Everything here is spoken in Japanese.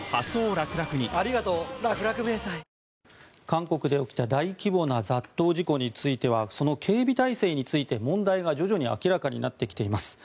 韓国で起きた大規模な雑踏事故についてはその警備態勢について問題が徐々に明らかになってきています。